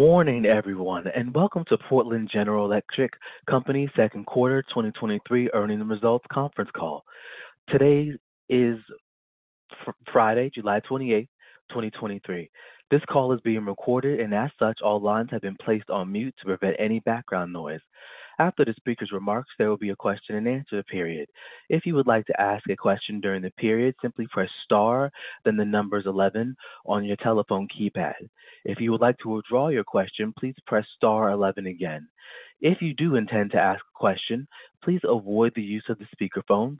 Good morning, everyone, and welcome to Portland General Electric Company Second Quarter 2023 Earnings and Results Conference Call. Today is Friday, July 28, 2023. This call is being recorded, and as such, all lines have been placed on mute to prevent any background noise. After the speaker's remarks, there will be a question-and-answer period. If you would like to ask a question during the period, simply press star, then the numbers one one on your telephone keypad. If you would like to withdraw your question, please press star one one again. If you do intend to ask a question, please avoid the use of the speakerphones.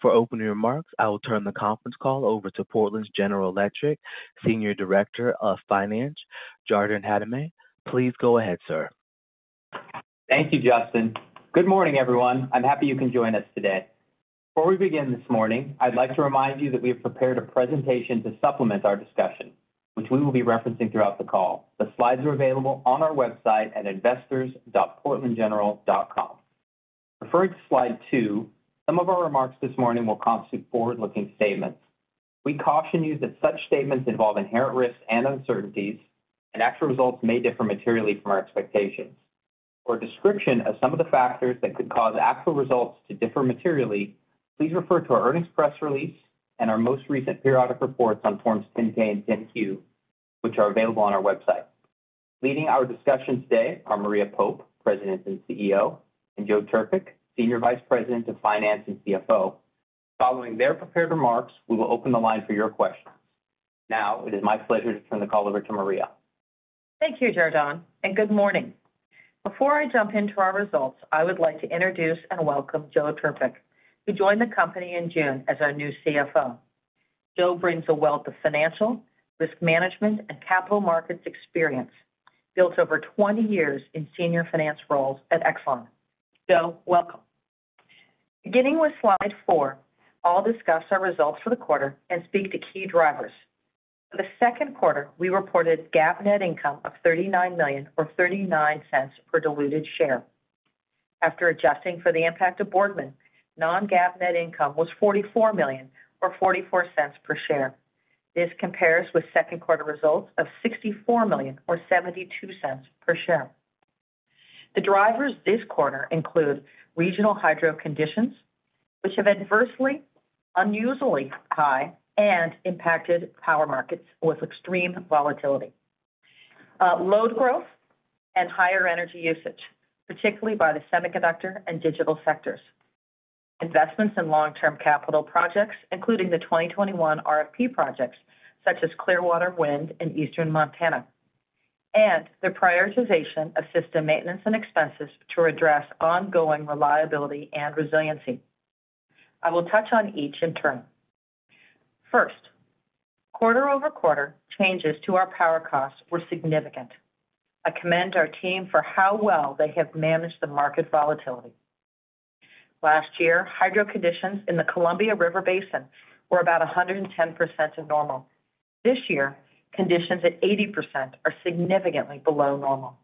For opening remarks, I will turn the conference call over to Portland General Electric Senior Director of Finance, Jardon Jaramillo. Please go ahead, sir. Thank you, Justin. Good morning, everyone. I'm happy you can join us today. Before we begin this morning, I'd like to remind you that we have prepared a presentation to supplement our discussion, which we will be referencing throughout the call. The slides are available on our website at investors.portlandgeneral.com. Referring to slide two, some of our remarks this morning will constitute forward-looking statements. We caution you that such statements involve inherent risks and uncertainties. Actual results may differ materially from our expectations. For a description of some of the factors that could cause actual results to differ materially, please refer to our earnings press release and our most recent periodic reports on Forms 10-K and 10-Q, which are available on our website. Leading our discussion today are Maria Pope, President and CEO, and Joe Trpik, Senior Vice President of Finance and CFO. Following their prepared remarks, we will open the line for your question. Now, it is my pleasure to turn the call over to Maria. Thank you, Jardon, and good morning. Before I jump into our results, I would like to introduce and welcome Joe Trpik, who joined the company in June as our new CFO. Joe brings a wealth of financial, risk management, and capital markets experience, built over 20 years in senior finance roles at Exelon. Joe, welcome. Beginning with slide four, I'll discuss our results for the quarter and speak to key drivers. For the second quarter, we reported GAAP net income of $39 million, or $0.39 per diluted share. After adjusting for the impact of Boardman, non-GAAP net income was $44 million, or $0.44 per share. This compares with second quarter results of $64 million, or $0.72 per share. The drivers this quarter include regional hydro conditions, which have adversely, unusually high and impacted power markets with extreme volatility, load growth and higher energy usage, particularly by the semiconductor and digital sectors. Investments in long-term capital projects, including the 2021 RFP projects, such as Clearwater Wind in eastern Montana, and the prioritization of system maintenance and expenses to address ongoing reliability and resiliency. I will touch on each in turn. First, quarter-over-quarter, changes to our power costs were significant. I commend our team for how well they have managed the market volatility. Last year, hydro conditions in the Columbia River Basin were about 110% of normal. This year, conditions at 80% are significantly below normal.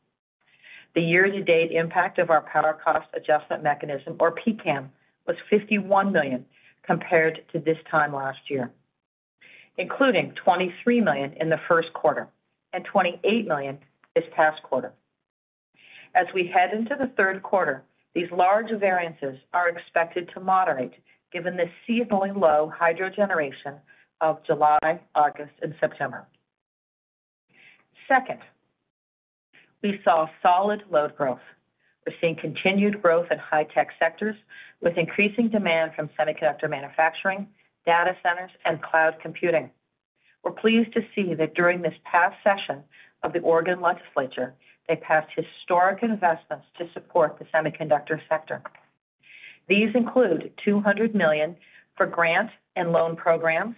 The year-to-date impact of our power cost adjustment mechanism, or PCAM, was $51 million compared to this time last year, including $23 million in the first quarter and $28 million this past quarter. As we head into the third quarter, these large variances are expected to moderate given the seasonally low hydro generation of July, August, and September. Second, we saw solid load growth. We're seeing continued growth in high-tech sectors, with increasing demand from semiconductor manufacturing, data centers, and cloud computing. We're pleased to see that during this past session of the Oregon Legislature, they passed historic investments to support the semiconductor sector. These include $200 million for grant and loan programs,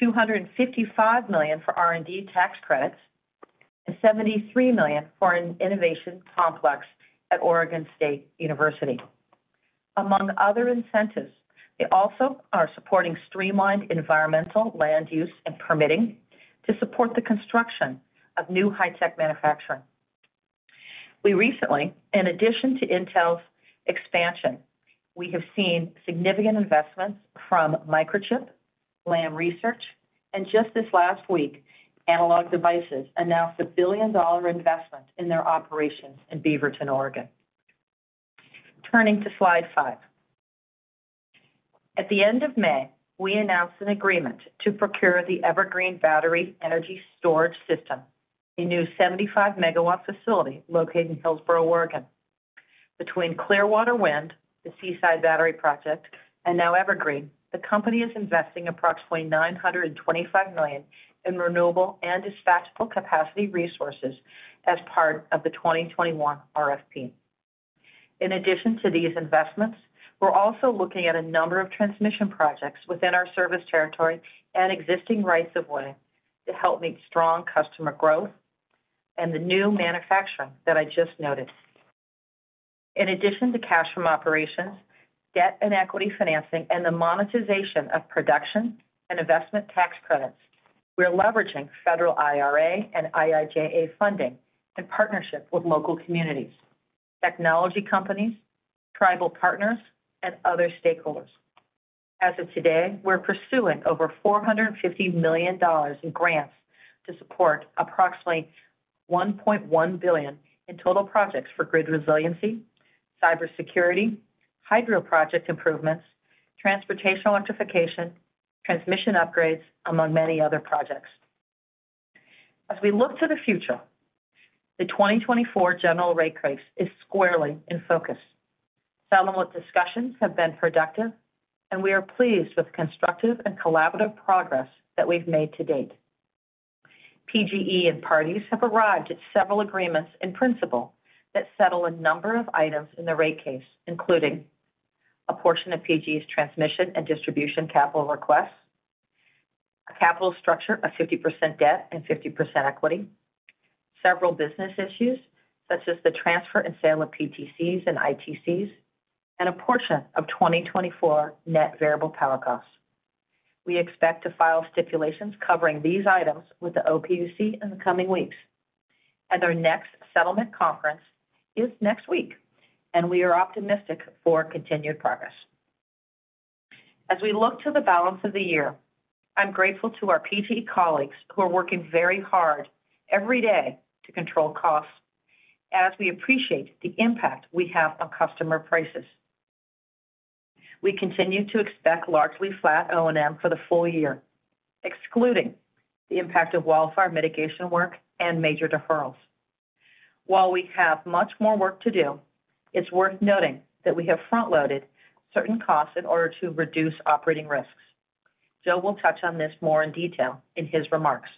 $255 million for R&D tax credits, and $73 million for an innovation complex at Oregon State University. Among other incentives, they also are supporting streamlined environmental land use and permitting to support the construction of new high-tech manufacturing. We recently, in addition to Intel's expansion, we have seen significant investments from Microchip, Lam Research, and just this last week, Analog Devices announced a $1 billion investment in their operations in Beaverton, Oregon. Turning to slide five At the end of May, we announced an agreement to procure the Evergreen Battery Energy Storage System, a new 75 MW facility located in Hillsboro, Oregon. Between Clearwater Wind, the Seaside Battery project, and now Evergreen, the company is investing approximately $925 million in renewable and dispatchable capacity resources as part of the 2021 RFP. In addition to these investments, we're also looking at a number of transmission projects within our service territory and existing rights of way to help meet strong customer growth and the new manufacturing that I just noted. In addition to cash from operations, debt and equity financing, and the monetization of production and investment tax credits, we are leveraging federal IRA and IIJA funding in partnership with local communities, technology companies, tribal partners, and other stakeholders. As of today, we're pursuing over $450 million in grants to support approximately $1.1 billion in total projects for grid resiliency, cybersecurity, hydro project improvements, transportation electrification, transmission upgrades, among many other projects. As we look to the future, the 2024 general rate case is squarely in focus. Settlement discussions have been productive, and we are pleased with constructive and collaborative progress that we've made to date. PGE and parties have arrived at several agreements in principle that settle a number of items in the rate case, including a portion of PGE's transmission and distribution capital requests, a capital structure of 50% debt and 50% equity, several business issues such as the transfer and sale of PTCs and ITCs, and a portion of 2024 net variable power costs. We expect to file stipulations covering these items with the OPUC in the coming weeks. Our next settlement conference is next week, and we are optimistic for continued progress. As we look to the balance of the year, I'm grateful to our PGE colleagues who are working very hard every day to control costs as we appreciate the impact we have on customer prices. We continue to expect largely flat O&M for the full year, excluding the impact of wildfire mitigation work and major deferrals. While we have much more work to do, it's worth noting that we have front-loaded certain costs in order to reduce operating risks. Joe will touch on this more in detail in his remarks.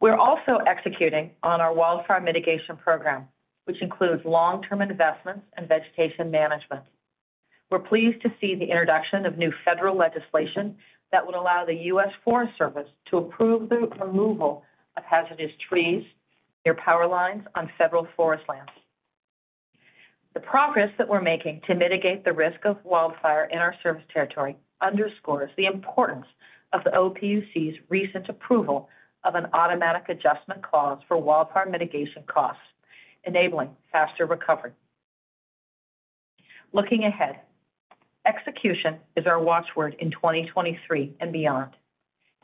We're also executing on our wildfire mitigation program, which includes long-term investments and vegetation management. We're pleased to see the introduction of new federal legislation that would allow the US Forest Service to approve the removal of hazardous trees near power lines on federal forest lands. The progress that we're making to mitigate the risk of wildfire in our service territory underscores the importance of the OPUC's recent approval of an automatic adjustment clause for wildfire mitigation costs, enabling faster recovery. Looking ahead, execution is our watchword in 2023 and beyond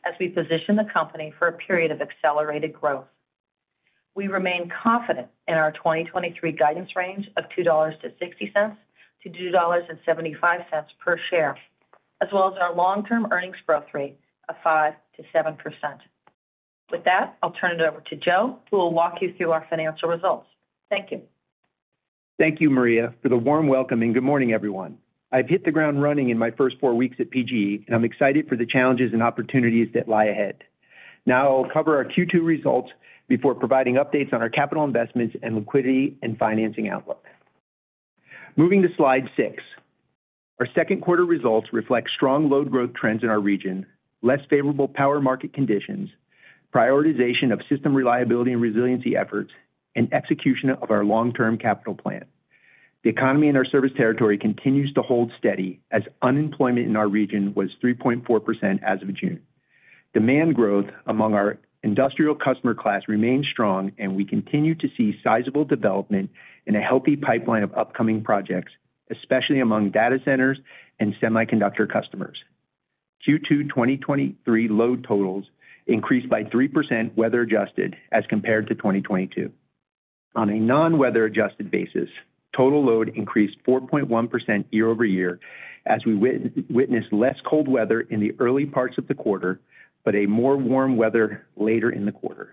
as we position the company for a period of accelerated growth. We remain confident in our 2023 guidance range of $2.60-$2.75 per share, as well as in our long-term earnings growth rate of 5%-7%. With that, I'll turn it over to Joe, who will walk you through our financial results. Thank you. Thank you, Maria, for the warm welcome, and good morning, everyone. I've hit the ground running in my first four weeks at PGE, and I'm excited for the challenges and opportunities that lie ahead. Now I'll cover our Q2 results before providing updates on our capital investments and, liquidity, and financing outlook. Moving to slide six. Our second quarter results reflect strong load growth trends in our region, less favorable power market conditions, prioritization of system reliability and resiliency efforts, and execution of our long-term capital plan. The economy in our service territory continues to hold steady as unemployment in our region was 3.4% as of June. Demand growth among our industrial customer class remains strong, and we continue to see sizable development in a healthy pipeline of upcoming projects, especially among data centers and semiconductor customers. Q2 2023 load totals increased by 3% weather-adjusted as compared to 2022. On a non-weather-adjusted basis, total load increased 4.1% year-over-year as we witnessed less cold weather in the early parts of the quarter, but a more warm weather later in the quarter.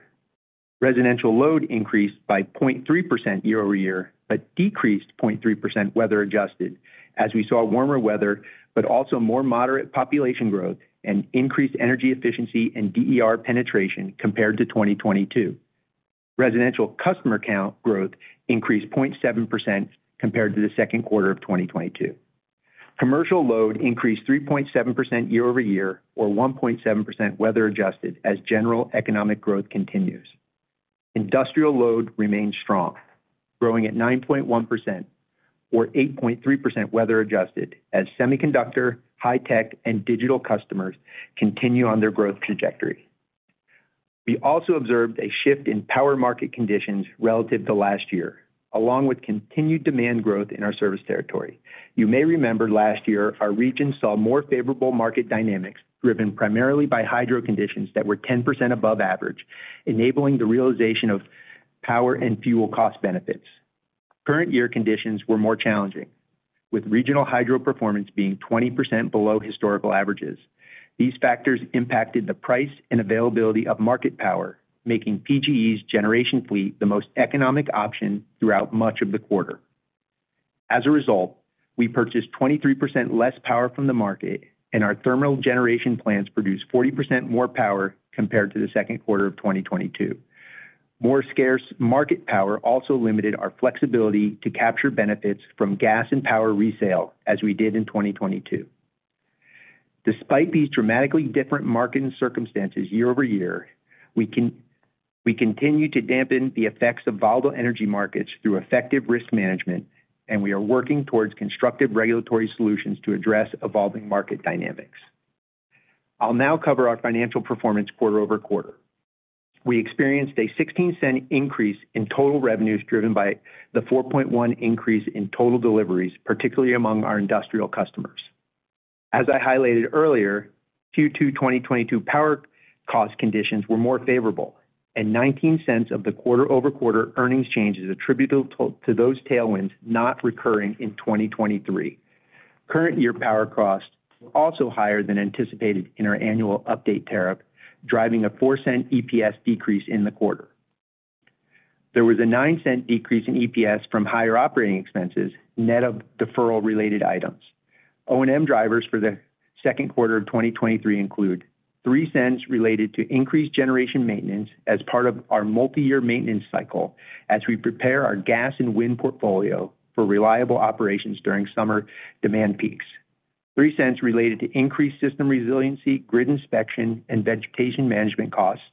Residential load increased by 0.3% year-over-year, but decreased 0.3% weather-adjusted, as we saw warmer weather but also more moderate population growth and increased energy efficiency and DER penetration compared to 2022. Residential customer count growth increased 0.7% compared to the second quarter of 2022. Commercial load increased 3.7% year-over-year or 1.7% weather-adjusted as general economic growth continues. Industrial load remains strong, growing at 9.1% or 8.3% weather adjusted as semiconductor, high tech, and digital customers continue on their growth trajectory. We also observed a shift in power market conditions relative to last year, along with continued demand growth in our service territory. You may remember last year, our region saw more favorable market dynamics, driven primarily by hydro conditions that were 10% above average, enabling the realization of power and fuel cost benefits. Current year conditions were more challenging, with regional hydro performance being 20% below historical averages. These factors impacted the price and availability of market power, making PGE's generation fleet the most economic option throughout much of the quarter. As a result, we purchased 23% less power from the market, and our thermal generation plants produced 40% more power compared to the second quarter of 2022. More scarce market power also limited our flexibility to capture benefits from gas and power resale as we did in 2022. Despite these dramatically different market and circumstances year-over-year, we continue to dampen the effects of volatile energy markets through effective risk management, and we are working towards constructive regulatory solutions to address evolving market dynamics. I'll now cover our financial performance quarter-over-quarter. We experienced a $0.16 increase in total revenues, driven by the 4.1 increase in total deliveries, particularly among our industrial customers. As I highlighted earlier, Q2 2022 power cost conditions were more favorable, and $0.19 of the quarter-over-quarter earnings changes attributable to those tailwinds not recurring in 2023. Current year power costs were also higher than anticipated in our Annual Update Tariff, driving a $0.04 EPS decrease in the quarter. There was a $0.09 decrease in EPS from higher operating expenses, net of deferral-related items. O&M drivers for the second quarter of 2023 include: $0.03 related to increased generation maintenance as part of our multi-year maintenance cycle, as we prepare our gas and wind portfolio for reliable operations during summer demand peaks. $0.03 related to increased system resiliency, grid inspection, and vegetation management costs.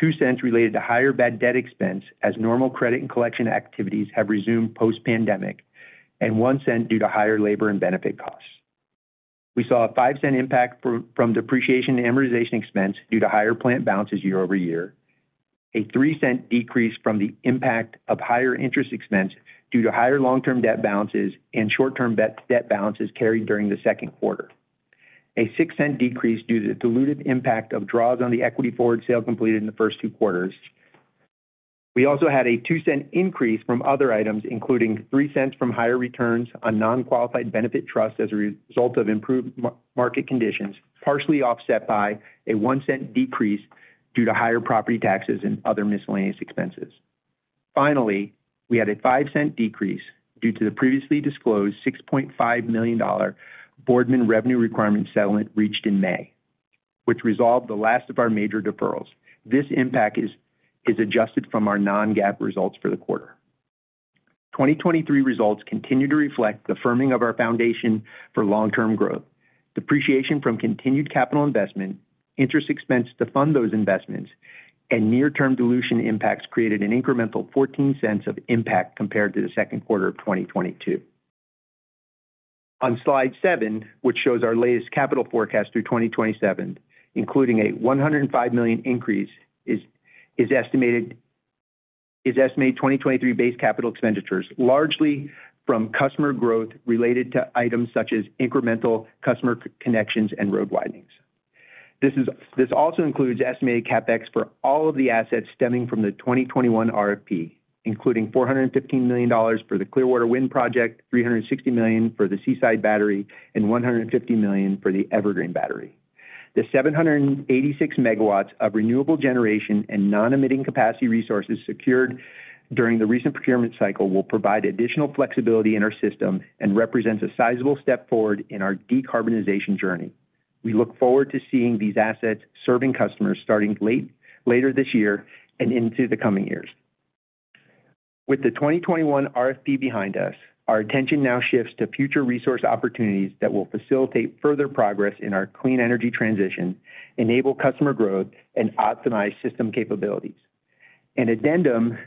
$0.02 related to higher bad debt expense, as normal credit and collection activities have resumed post-pandemic, and $0.01 due to higher labor and benefit costs. We saw a $0.05 impact from, from depreciation and amortization expense due to higher plant balances year-over-year, a $0.03 decrease from the impact of higher interest expense due to higher long-term debt balances and short-term debt balances carried during the second quarter. A $0.06 decrease due to the diluted impact of draws on the equity forward sale completed in the first two quarters. We also had a $0.02 increase from other items, including $0.03 from higher returns on non-qualified benefit trust as a result of improved market conditions, partially offset by a $0.01 decrease due to higher property taxes and other miscellaneous expenses. Finally, we had a $0.05 decrease due to the previously disclosed $6.5 million Boardman revenue requirement settlement reached in May, which resolved the last of our major deferrals. This impact is adjusted from our non-GAAP results for the quarter. 2023 results continue to reflect the firming of our foundation for long-term growth. Depreciation from continued capital investment, interest expense to fund those investments, and near-term dilution impacts created an incremental $0.14 of impact compared to the second quarter of 2022. On Slide seven, which shows our latest capital forecast through 2027, including a $105 million increase, is estimated 2023 base capital expenditures, largely from customer growth related to items such as incremental customer connections and road widenings. This also includes estimated CapEx for all of the assets stemming from the 2021 RFP, including $415 million for the Clearwater Wind Project, $360 million for the Seaside Battery, and $150 million for the Evergreen Battery. The 786 megawatts of renewable generation and non-emitting capacity resources secured during the recent procurement cycle will provide additional flexibility in our system and represents a sizable step forward in our decarbonization journey. We look forward to seeing these assets serving customers starting later this year and into the coming years. With the 2021 RFP behind us, our attention now shifts to future resource opportunities that will facilitate further progress in our clean energy transition, enable customer growth, and optimize system capabilities. An addendum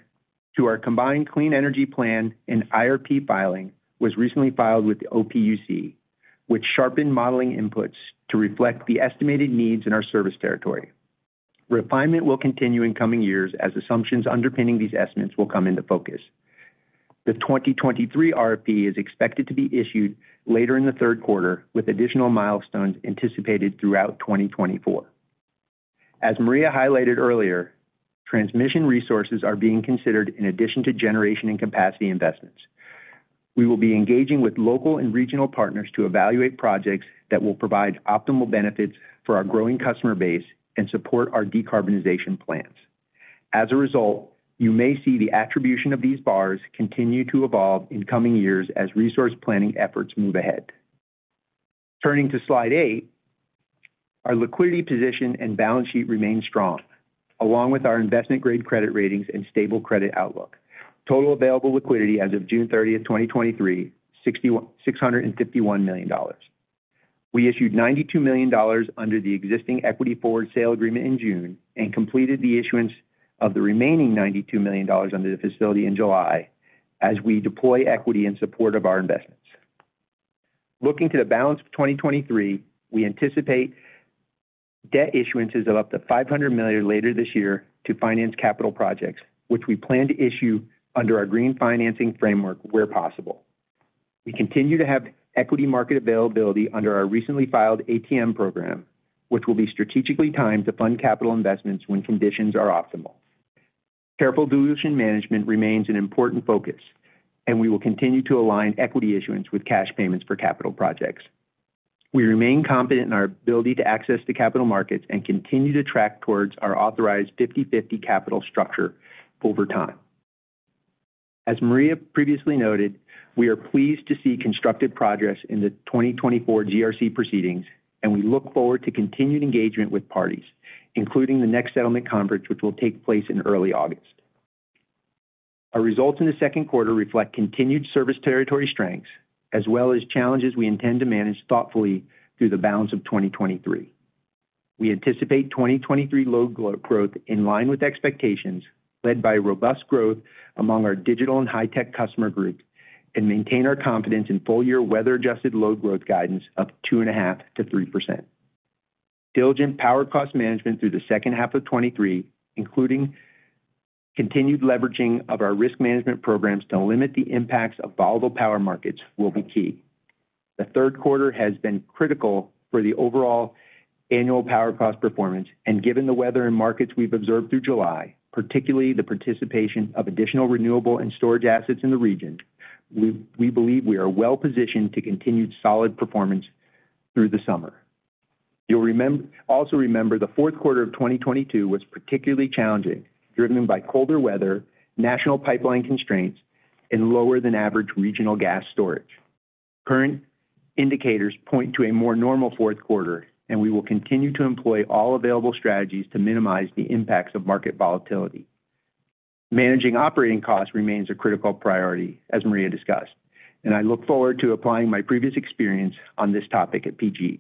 to our combined Clean Energy Plan and IRP filing was recently filed with the OPUC, which sharpened modeling inputs to reflect the estimated needs in our service territory. Refinement will continue in coming years as assumptions underpinning these estimates will come into focus. The 2023 RFP is expected to be issued later in the third quarter, with additional milestones anticipated throughout 2024. As Maria highlighted earlier, transmission resources are being considered in addition to generation and capacity investments. We will be engaging with local and regional partners to evaluate projects that will provide optimal benefits for our growing customer base and support our decarbonization plans. As a result, you may see the attribution of these bars continue to evolve in coming years as resource planning efforts move ahead. Turning to Slide eight, our liquidity position and balance sheet remain strong, along with our investment-grade credit ratings and stable credit outlook. Total available liquidity as of June 30, 2023, $651 million. We issued $92 million under the existing equity forward sale agreement in June and completed the issuance of the remaining $92 million under the facility in July as we deploy equity in support of our investments. Looking to the balance of 2023, we anticipate debt issuances of up to $500 million later this year to finance capital projects, which we plan to issue under our Green Finance Framework where possible. We continue to have equity market availability under our recently filed ATM program, which will be strategically timed to fund capital investments when conditions are optimal. Careful dilution management remains an important focus, and we will continue to align equity issuance with cash payments for capital projects. We remain confident in our ability to access the capital markets and continue to track towards our authorized 50/50 capital structure over time. As Maria previously noted, we are pleased to see constructive progress in the 2024 GRC proceedings, and we look forward to continued engagement with parties, including the next settlement conference, which will take place in early August. Our results in the second quarter reflect continued service territory strengths, as well as challenges we intend to manage thoughtfully through the balance of 2023. We anticipate 2023 load growth in line with expectations, led by robust growth among our digital and high-tech customer group, and maintain our confidence in full year weather-adjusted load growth guidance of 2.5%-3%. Diligent power cost management through the second half of 2023, including continued leveraging of our risk management programs to limit the impacts of volatile power markets, will be key. The third quarter has been critical for the overall annual power cost performance, given the weather and markets we've observed through July, particularly the participation of additional renewable and storage assets in the region, we believe we are well positioned to continued solid performance through the summer. You'll also remember the fourth quarter of 2022 was particularly challenging, driven by colder weather, national pipeline constraints, and lower than average regional gas storage. Current indicators point to a more normal fourth quarter, we will continue to employ all available strategies to minimize the impacts of market volatility. Managing operating costs remains a critical priority, as Maria discussed, I look forward to applying my previous experience on this topic at PGE.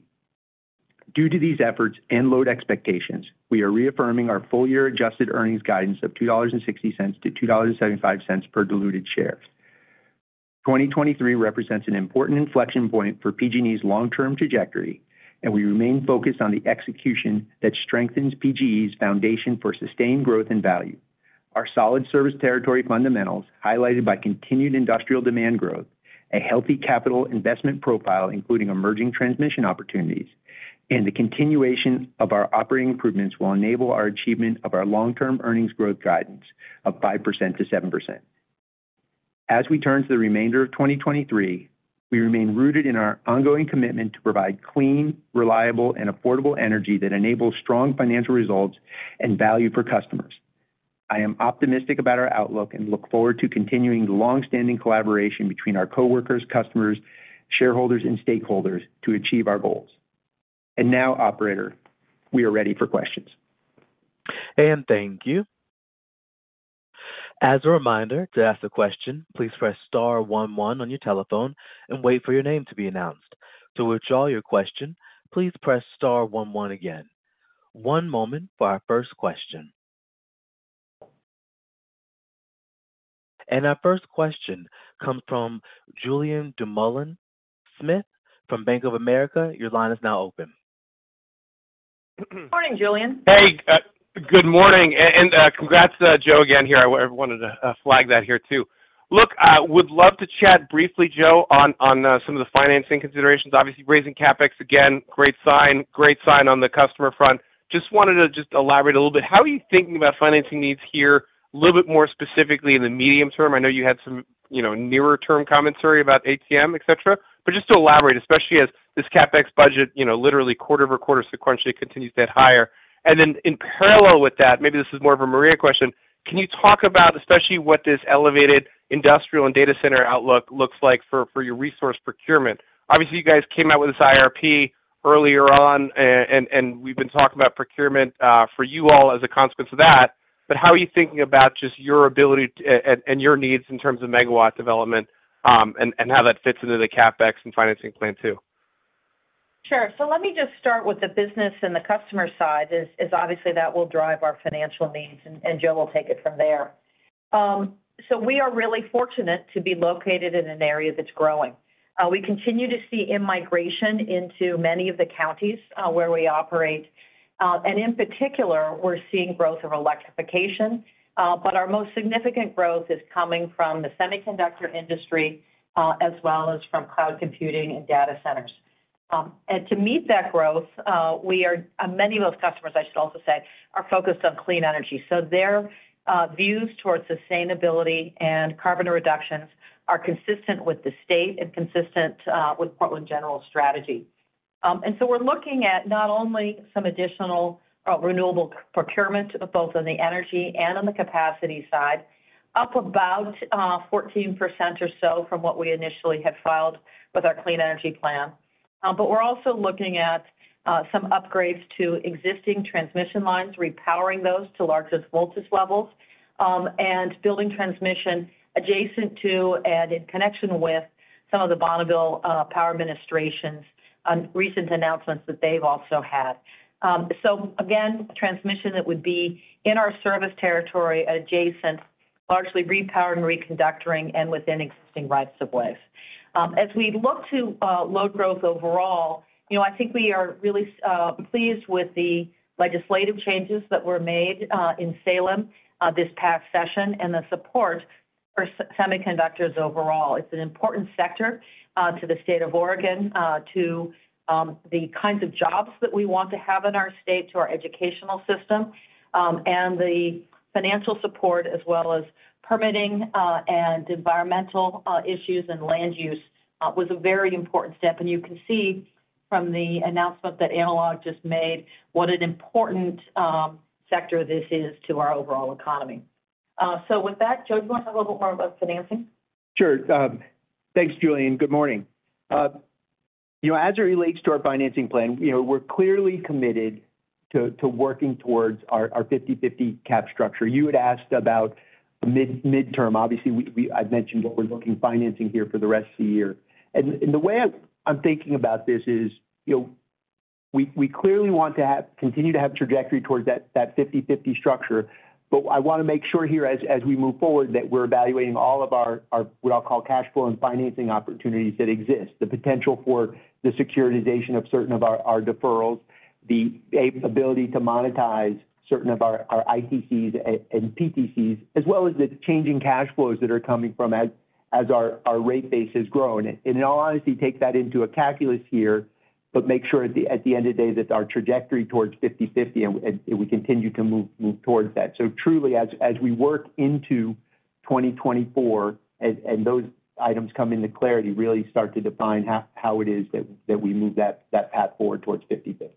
Due to these efforts and load expectations, we are reaffirming our full-year adjusted earnings guidance of $2.60-$2.75 per diluted share. 2023 represents an important inflection point for PGE's long-term trajectory, and we remain focused on the execution that strengthens PGE's foundation for sustained growth and value. Our solid service territory fundamentals, highlighted by continued industrial demand growth, a healthy capital investment profile, including emerging transmission opportunities, and the continuation of our operating improvements, will enable our achievement of our long-term earnings growth guidance of 5%-7%. As we turn to the remainder of 2023, we remain rooted in our ongoing commitment to provide clean, reliable, and affordable energy that enables strong financial results and value for customers. I am optimistic about our outlook and look forward to continuing the long-standing collaboration between our coworkers, customers, shareholders, and stakeholders to achieve our goals. Now, operator, we are ready for questions. Thank you. As a reminder, to ask a question, please press star one one on your telephone and wait for your name to be announced. To withdraw your question, please press star one one again. One moment for our first question. Our first question comes from Julien Dumoulin-Smith from Bank of America. Your line is now open. Good morning, Julien. Hey, good morning, congrats to Joe again here. I wanted to flag that here, too. Look, I would love to chat briefly, Joe, on, on some of the financing considerations. Obviously, raising CapEx again, great sign, great sign on the customer front. Just wanted to just elaborate a little bit, how are you thinking about financing needs here, a little bit more specifically in the medium term? I know you had some, you know, nearer term commentary about ATM, et cetera. Just to elaborate, especially as this CapEx budget, you know, literally quarter-over-quarter sequentially continues to get higher. Then in parallel with that, maybe this is more of a Maria question, can you talk about especially what this elevated industrial and data center outlook looks like for, for your resource procurement? Obviously, you guys came out with this IRP earlier on, and, and we've been talking about procurement, for you all as a consequence of that. How are you thinking about just your ability to. Your needs in terms of megawatt development, and, and how that fits into the CapEx and financing plan, too? Sure. Let me just start with the business and the customer side, as, as obviously that will drive our financial needs, and, and Joe will take it from there. We are really fortunate to be located in an area that's growing. We continue to see in-migration into many of the counties, where we operate. In particular, we're seeing growth of electrification. Our most significant growth is coming from the semiconductor industry, as well as from cloud computing and data centers. To meet that growth, we are, and many of those customers, I should also say, are focused on clean energy. Their views towards sustainability and carbon reductions are consistent with the state and consistent with Portland General Electric strategy. So we're looking at not only some additional renewable procurement, both on the energy and on the capacity side, up about 14% or so from what we initially had filed with our Clean Energy Plan. We're also looking at some upgrades to existing transmission lines, repowering those to largest voltage levels, and building transmission adjacent to and in connection with some of the Bonneville Power Administration's recent announcements that they've also had. Again, transmission that would be in our service territory, adjacent, largely repowering, reconductoring, and within existing rights of way. We look to load growth overall, you know, I think we are really pleased with the legislative changes that were made in Salem this past session and the support for semiconductors overall. It's an important sector to the state of Oregon, to the kinds of jobs that we want to have in our state, to our educational system, and the financial support, as well as permitting, and environmental issues and land use, was a very important step. You can see from the announcement that Analog just made, what an important sector this is to our overall economy. With that, Joe, do you want to talk a little bit more about financing? Sure. Thanks, Julien. Good morning. You know, as it relates to our financing plan, you know, we're clearly committed to working towards our 50/50 cap structure. You had asked about mid-term. Obviously, I've mentioned what we're looking financing here for the rest of the year. And the way I'm thinking about this is, you know. We clearly want to have, continue to have trajectory towards that 50/50 structure. I want to make sure here, as we move forward, that we're evaluating all of our, what I'll call cash flow and financing opportunities that exist, the potential for the securitization of certain of our deferrals, the ability to monetize certain of our ITCs and PTCs, as well as the changing cash flows that are coming from as our rate base has grown. In all honesty, take that into a calculus here, but make sure at the, at the end of the day, that our trajectory towards 50/50, and we continue to move, move towards that. Truly, as, as we work into 2024 and, and those items come into clarity, really start to define how, how it is that, that we move that, that path forward towards 50/50.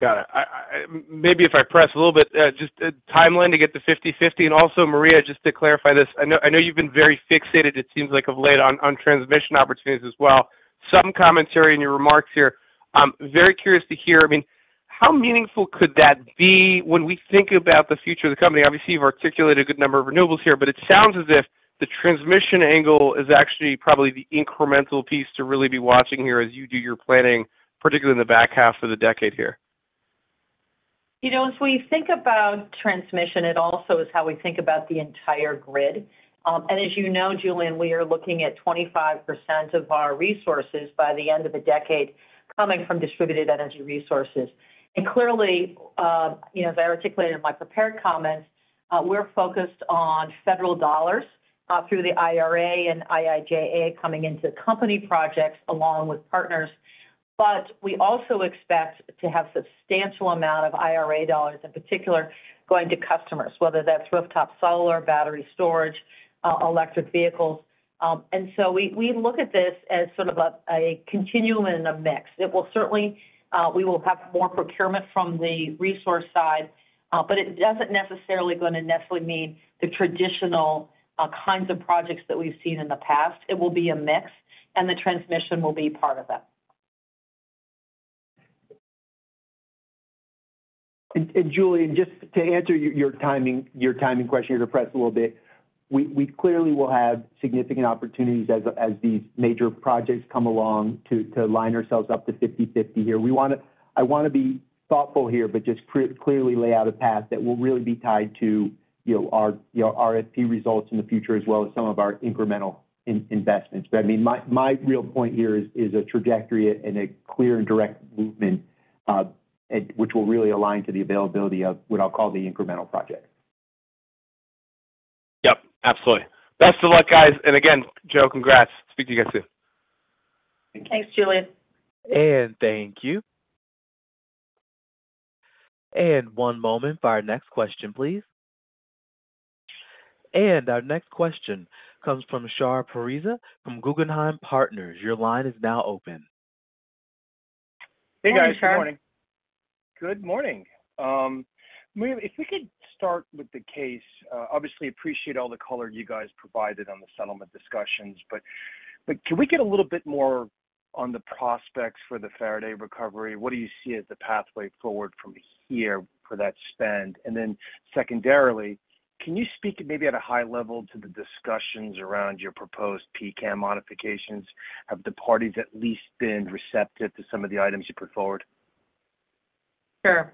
Got it. I, maybe if I press a little bit, just timeline to get to 50/50. Also, Maria, just to clarify this, I know, I know you've been very fixated, it seems like, of late, on transmission opportunities as well. Some commentary in your remarks here. I'm very curious to hear, I mean, how meaningful could that be when we think about the future of the company? Obviously, you've articulated a good number of renewables here, but it sounds as if the transmission angle is actually probably the incremental piece to really be watching here as you do your planning, particularly in the back half of the decade here. You know, as we think about transmission, it also is how we think about the entire grid. You know, as you know, Julien, we are looking at 25% of our resources by the end of the decade coming from distributed energy resources. Clearly, you know, as I articulated in my prepared comments, we're focused on federal dollars through the IRA and IIJA coming into company projects along with partners. We also expect to have substantial amount of IRA dollars, in particular, going to customers, whether that's rooftop solar, battery storage, electric vehicles. We, we look at this as sort of a, a continuum and a mix. It will certainly, we will have more procurement from the resource side, but it doesn't necessarily going to necessarily mean the traditional kinds of projects that we've seen in the past. It will be a mix, and the transmission will be part of that. Julian, just to answer your timing question, here to press a little bit. We clearly will have significant opportunities as these major projects come along to line ourselves up to 50/50 here. I mean, I want to be thoughtful here, but just clearly lay out a path that will really be tied to, you know, our, you know, RFP results in the future, as well as some of our incremental investments. I mean, my real point here is a trajectory and a clear and direct movement, which will really align to the availability of what I'll call the incremental project. Yep, absolutely. Best of luck, guys. Again, Joe, congrats. Speak to you guys soon. Thanks, Julien. Thank you. One moment for our next question, please. Our next question comes from Shar Pourreza from Guggenheim Partners. Your line is now open. Hey, guys. Good morning. Good morning. Maria, if we could start with the case, obviously, appreciate all the color you guys provided on the settlement discussions, but, but can we get a little bit more on the prospects for the Faraday recovery? What do you see as the pathway forward from here for that spend? Secondly, can you speak maybe at a high level to the discussions around your proposed PCAM modifications? Have the parties at least been receptive to some of the items you put forward? Sure.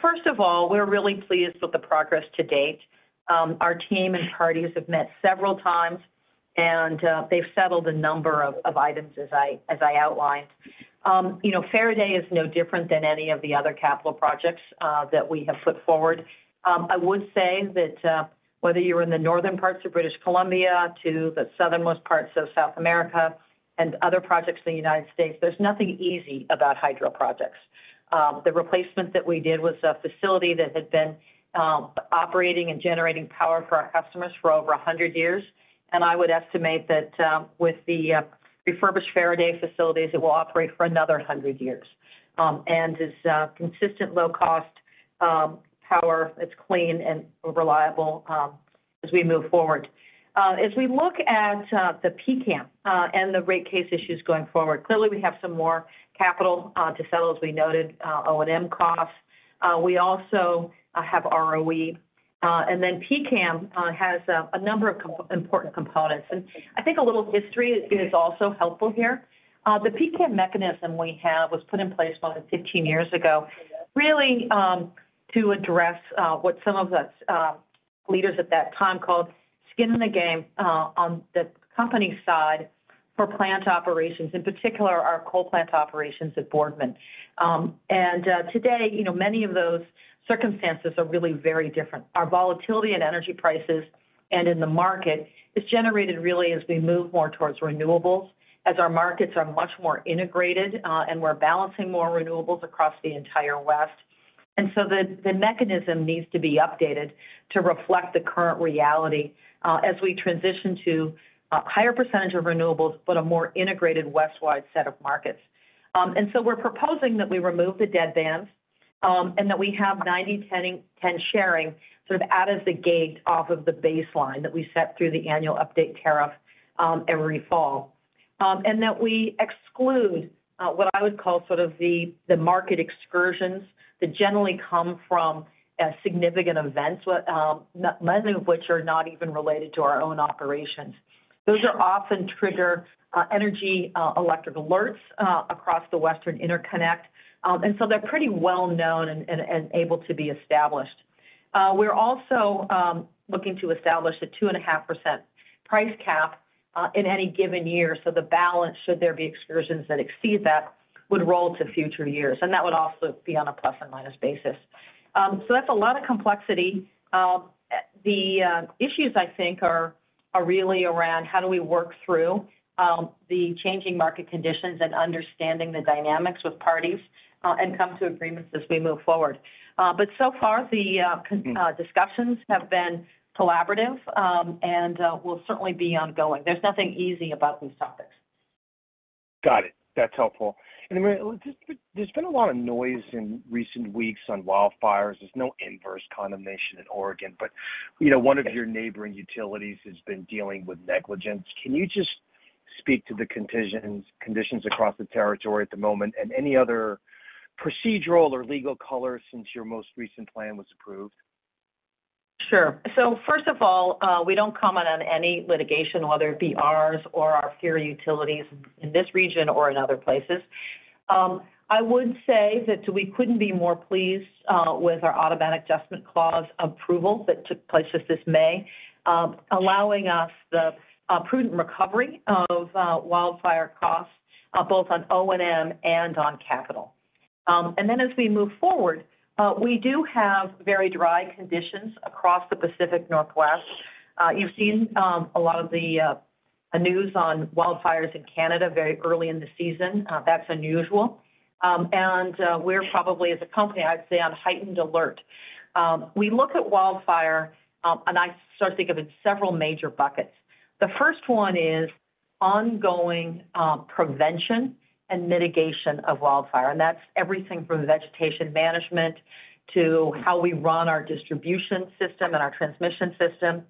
First of all, we're really pleased with the progress to date. Our team and parties have met several times, and they've settled a number of items, as I outlined. You know, Faraday is no different than any of the other capital projects that we have put forward. I would say that whether you're in the northern parts of British Columbia to the southernmost parts of South America and other projects in the United States, there's nothing easy about hydro projects. The replacement that we did was a facility that had been operating and generating power for our customers for over 100 years, and I would estimate that with the refurbished Faraday facilities, it will operate for another 100 years. And is consistent low cost power, it's clean and reliable as we move forward. As we look at the PCAM and the rate case issues going forward, clearly we have some more capital to settle, as we noted, O&M costs. We also have ROE, and then PCAM has a number of important components. I think a little history is also helpful here. The PCAM mechanism we have was put in place about 15 years ago, really, to address what some of the leaders at that time called skin in the game on the company side for plant operations, in particular, our coal plant operations at Boardman. Today, you know, many of those circumstances are really very different. Our volatility in energy prices and in the market is generated really as we move more towards renewables, as our markets are much more integrated, and we're balancing more renewables across the entire West. So the, the mechanism needs to be updated to reflect the current reality, as we transition to a higher percentage of renewables, but a more integrated West-wide set of markets. So we're proposing that we remove the deadbands, and that we have 90/10 sharing sort of out of the gate off of the baseline that we set through the Annual Update Tariff, every fall. That we exclude-... what I would call sort of the, the market excursions that generally come from, significant events, what, many of which are not even related to our own operations. Those are often trigger energy electric alerts across the Western Interconnection. They're pretty well known and, and, and able to be established. We're also looking to establish a 2.5% price cap in any given year, so the balance, should there be excursions that exceed that, would roll to future years, and that would also be on a plus and minus basis. That's a lot of complexity. The issues I think are really around how do we work through the changing market conditions and understanding the dynamics with parties and come to agreements as we move forward. So far, the discussions have been collaborative and will certainly be ongoing. There's nothing easy about these topics. Got it. That's helpful. Maria, there's been a lot of noise in recent weeks on wildfires. There's no inverse condemnation in Oregon, but, you know, one of your neighboring utilities has been dealing with negligence. Can you just speak to the conditions across the territory at the moment and any other procedural or legal concerns since your most recent plan was approved? Sure. First of all, we don't comment on any litigation, whether it be ours or our peer utilities in this region or in other places. I would say that we couldn't be more pleased with our automatic adjustment clause approval that took place just this May, allowing us the prudent recovery of wildfire costs, both on O&M and on capital. As we move forward, we do have very dry conditions across the Pacific Northwest. You've seen a lot of the news on wildfires in Canada very early in the season. That's unusual. We're probably, as a company, I'd say, on heightened alert. We look at wildfire, I sort of think of it in several major buckets. The first one is ongoing, prevention and mitigation of wildfire, and that's everything from vegetation management to how we run our distribution system and our transmission system,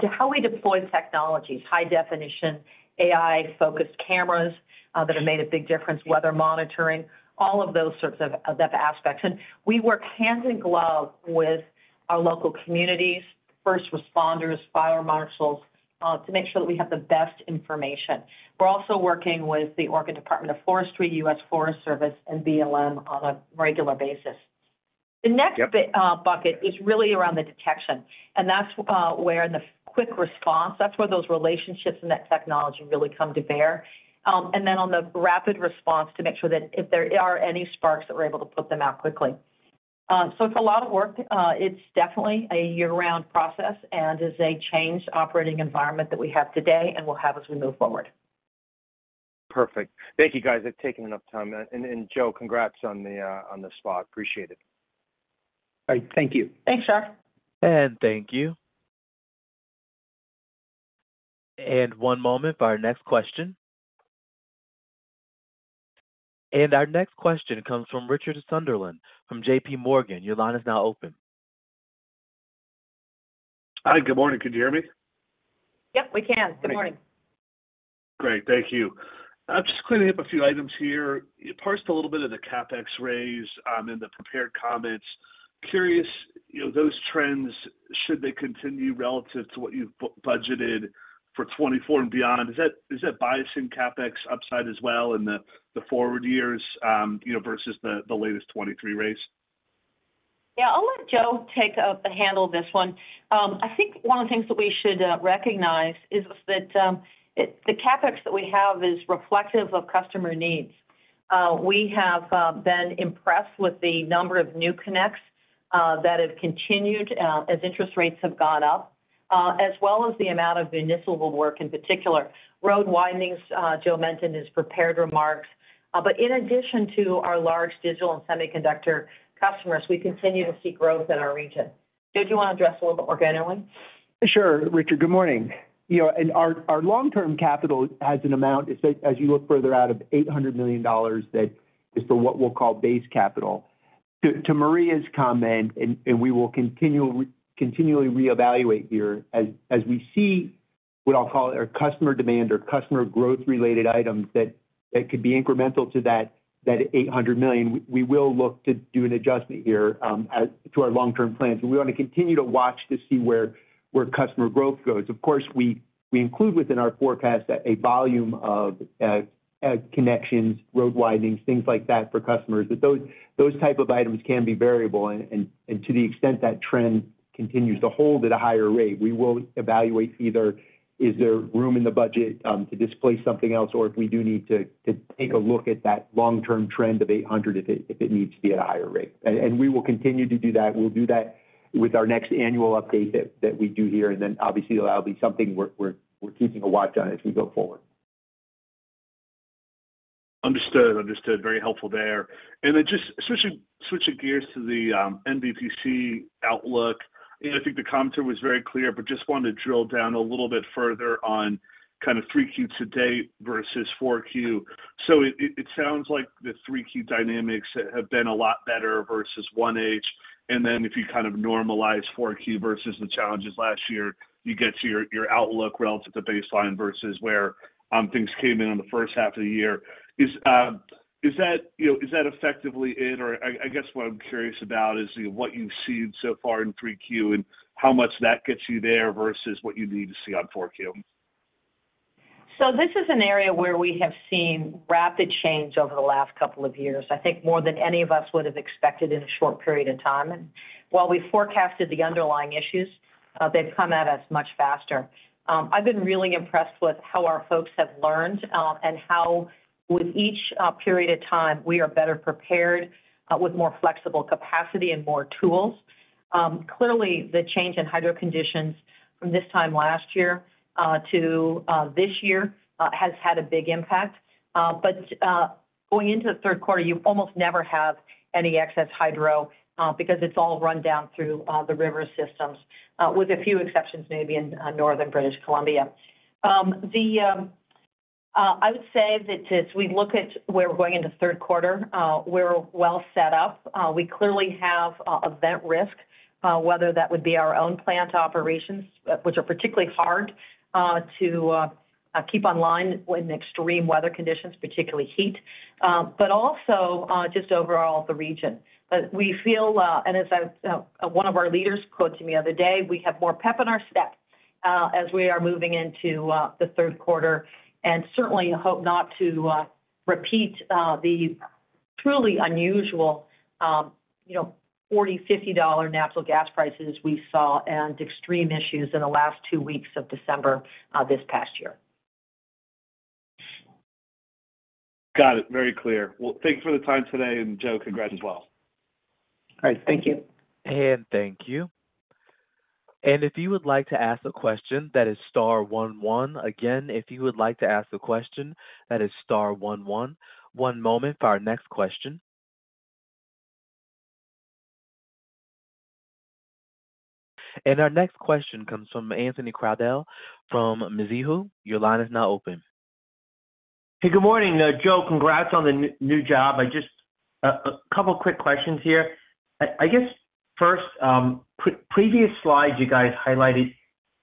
to how we deploy technologies, high definition, AI-focused cameras, that have made a big difference, weather monitoring, all of those sorts of, of aspects. We work hand in glove with our local communities, first responders, fire marshals, to make sure that we have the best information. We're also working with the Oregon Department of Forestry, US Forest Service, and BLM on a regular basis. Yep. The next bucket is really around the detection. That's where the quick response, that's where those relationships and that technology really come to bear. Then on the rapid response to make sure that if there are any sparks, that we're able to put them out quickly. It's a lot of work. It's definitely a year-round process and is a changed operating environment that we have today and will have as we move forward. Perfect. Thank you, guys, for taking enough time. Joe, congrats on the spot. Appreciate it. All right, thank you. Thanks, Shar. Thank you. One moment for our next question. Our next question comes from Richard Sunderland from JPMorgan. Your line is now open. Hi, good morning. Can you hear me? Yep, we can. Good morning. Great, thank you. I'm just going to hit up a few items here. You parsed a little bit of the CapEx raise in the prepared comments. Curious, you know, those trends, should they continue relative to what you've budgeted for 2024 and beyond, is that, is that biasing CapEx upside as well in the forward years, you know, versus the latest 2023 raise? Yeah, I'll let Joe take up and handle this one. I think one of the things that we should recognize is that, it, the CapEx that we have is reflective of customer needs. We have been impressed with the number of new connects that have continued as interest rates have gone up, as well as the amount of municipal work, in particular. Road widenings, Joe mentioned his prepared remarks, but in addition to our large digital and semiconductor customers, we continue to see growth in our region. Joe, do you want to address a little bit more generally? Sure, Richard, good morning. You know, our long-term capital has an amount, as you look further out, of $800 million that is for what we'll call base capital. To Maria's comment, we will continue, continually reevaluate here, as we see what I'll call our customer demand or customer growth-related items that could be incremental to that $800 million, we will look to do an adjustment here as to our long-term plans. We want to continue to watch to see where customer growth goes. Of course, we include within our forecast a volume of connections, road widenings, things like that for customers. Those, those type of items can be variable, and, and, and to the extent that trend continues to hold at a higher rate, we will evaluate either is there room in the budget to displace something else, or if we do need to, to take a look at that long-term trend of 800, if it, if it needs to be at a higher rate. We will continue to do that. We'll do that with our next Annual Update that, that we do here, and then obviously, that'll be something we're, we're, we're keeping a watch on as we go forward. Understood. Understood. Very helpful there. Then just switching, switching gears to the NVPC outlook. I think the commenter was very clear, but just wanted to drill down a little bit further on kind of three Q to date versus four Q. It, it, it sounds like the three Q dynamics have been a lot better versus one H. Then if you kind of normalize four Q versus the challenges last year, you get to your, your outlook relative to baseline versus where things came in on the first half of the year. Is, is that, you know, is that effectively it? I, I guess what I'm curious about is what you've seen so far in three Q and how much that gets you there versus what you need to see on four Q. This is an area where we have seen rapid change over the last two years, I think more than any of us would have expected in a short period of time. While we forecasted the underlying issues, they've come at us much faster. I've been really impressed with how our folks have learned, and how with each period of time, we are better prepared with more flexible capacity and more tools. Clearly, the change in hydro conditions from this time last year to this year has had a big impact. Going into the third quarter, you almost never have any excess hydro because it's all run down through the river systems with a few exceptions, maybe in northern British Columbia. I would say that as we look at where we're going in the third quarter, we're well set up. We clearly have event risk, whether that would be our own plant operations, which are particularly hard to keep online with extreme weather conditions, particularly heat, but also just overall the region. But we feel, and as I've-- one of our leaders quoted me the other day, "We have more pep in our step," as we are moving into the third quarter, and certainly hope not to repeat the truly unusual, you know, $40, $50 natural gas prices we saw and extreme issues in the last two weeks of December, this past year. Got it. Very clear. Thank you for the time today, and Joe, congrats as well. All right. Thank you. Thank you. If you would like to ask a question, that is star one one. Again, if you would like to ask a question, that is star one one. One moment for our next question. Our next question comes from Anthony Crowdell, from Mizuho. Your line is now open. Hey, good morning, Joe, congrats on the new job. I just a couple of quick questions here. I, I guess first, previous slides, you guys highlighted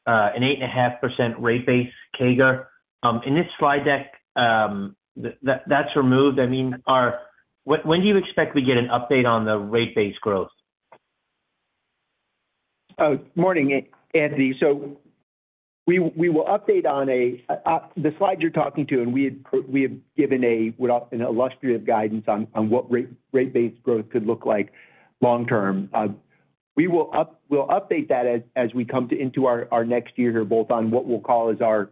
an 8.5% rate base CAGR. In this slide deck, that's removed. I mean, are. When, when do you expect we get an update on the rate base growth? Morning, Anthony. We have given an illustrative guidance on what rate base growth could look like long term. We'll update that as we come into our next year here, both on what we'll call as our,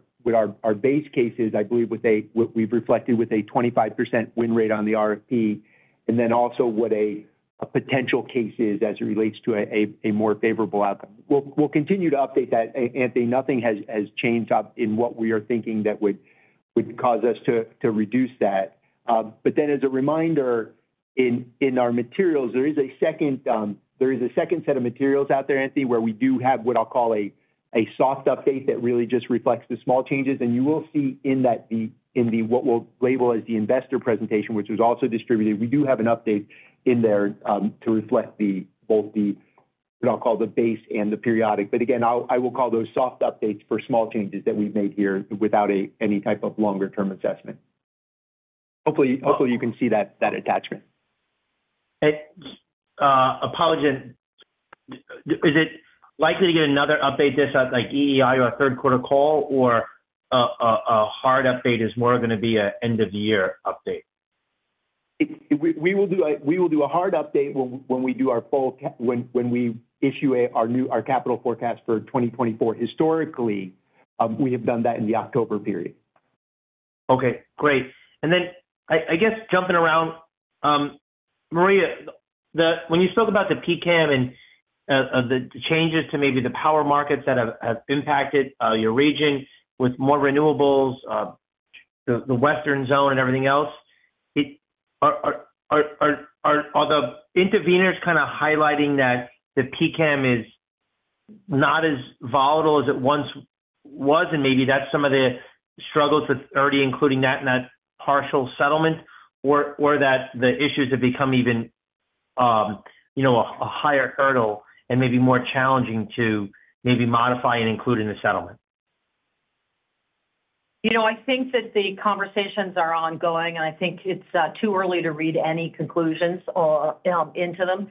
our base case is, I believe, what we've reflected with a 25% win rate on the RFP, and then also what a potential case is as it relates to a more favorable outcome. We'll continue to update that, Anthony. Nothing has changed up in what we are thinking that would cause us to reduce that. As a reminder, in our materials, there is a second set of materials out there, Anthony, where we do have what I'll call a soft update that really just reflects the small changes. You will see in that in the, what we'll label as the investor presentation, which was also distributed, we do have an update in there to reflect both the, what I'll call the base and the periodic. Again, I will call those soft updates for small changes that we've made here without any type of longer term assessment. Hopefully, you can see that attachment. Hey, apologies. Is it likely to get another update this, at like EEI or a third quarter call, or a hard update is more going to be a end of year update? We will do a hard update when we do our full when we issue a, our new, our capital forecast for 2024. Historically, we have done that in the October period. Okay, great. Then, I, I guess jumping around, Maria, the when you spoke about the PCAM and the changes to maybe the power markets that have, have impacted your region with more renewables, the Western Zone and everything else, are the interveners kind of highlighting that the PCAM is not as volatile as it once was, and maybe that's some of the struggles with already including that in that partial settlement? Or, or that the issues have become even, you know, a higher hurdle and maybe more challenging to maybe modify and include in the settlement? You know, I think that the conversations are ongoing, and I think it's too early to read any conclusions or into them.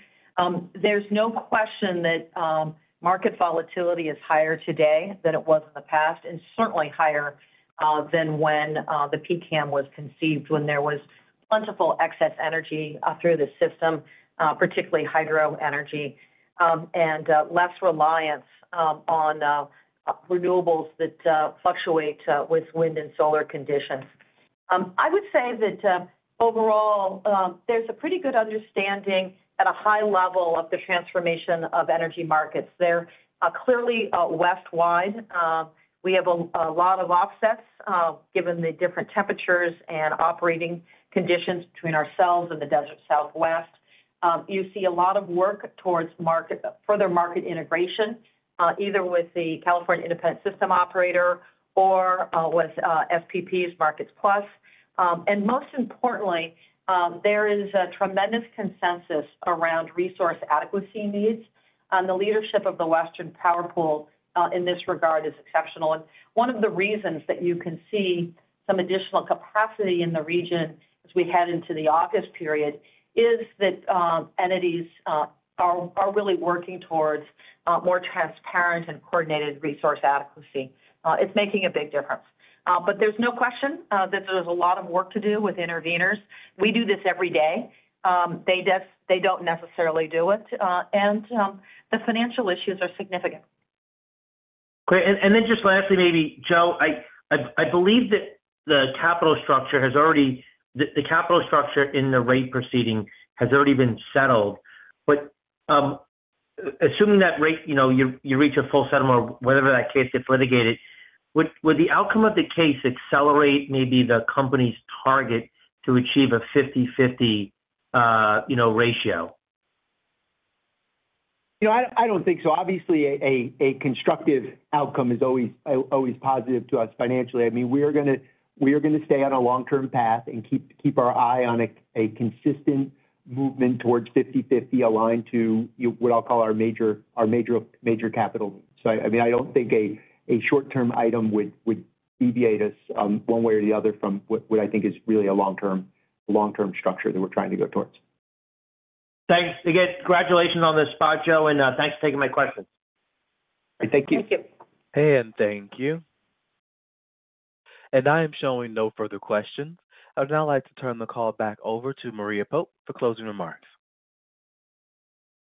There's no question that market volatility is higher today than it was in the past, and certainly higher than when the PCAM was conceived, when there was plentiful excess energy through the system, particularly hydro energy, and less reliance on renewables that fluctuate with wind and solar conditions. I would say that overall, there's a pretty good understanding at a high level of the transformation of energy markets. They're clearly Westwide. We have a lot of offsets, given the different temperatures and operating conditions between ourselves and the desert Southwest. You see a lot of work towards market, further market integration, either with the California Independent System Operator or with SPP's Markets+. Most importantly, there is a tremendous consensus around resource adequacy needs. The leadership of the Western Power Pool in this regard is exceptional. One of the reasons that you can see some additional capacity in the region as we head into the August period is that entities are really working towards more transparent and coordinated resource adequacy. It's making a big difference. There's no question that there's a lot of work to do with interveners. We do this every day. They def-- they don't necessarily do it, and the financial issues are significant. Great. Then just lastly, maybe, Joe, I believe that the capital structure in the rate proceeding has already been settled. Assuming that rate, you know, you reach a full settlement or whatever that case, if litigated, would the outcome of the case accelerate maybe the company's target to achieve a 50/50, you know, ratio? You know, I, I don't think so. Obviously, a, a, a constructive outcome is always, always positive to us financially. I mean, we are gonna, we are gonna stay on a long-term path and keep, keep our eye on a, a consistent movement towards 50/50, aligned to what I'll call our major, our major, major capital. I mean, I don't think a, a short-term item would, would deviate us one way or the other from what, what I think is really a long-term, long-term structure that we're trying to go towards. Thanks again. Congratulations on the spot, Joe, and thanks for taking my questions. Thank you. Thank you. Thank you. I am showing no further questions. I'd now like to turn the call back over to Maria Pope for closing remarks.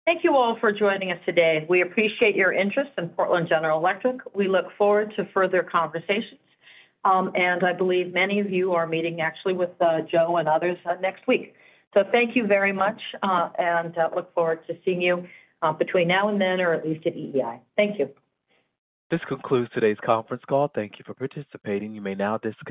Thank you all for joining us today. We appreciate your interest in Portland General Electric. We look forward to further conversations. I believe many of you are meeting actually with Joe and others next week. Thank you very much, and look forward to seeing you between now and then, or at least at EEI. Thank you. This concludes today's conference call. Thank you for participating. You may now disconnect.